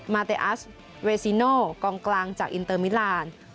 เตอัสเวซิโนกองกลางจากอินเตอร์มิลาน